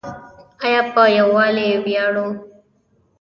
آیا په یوالي ویاړو؟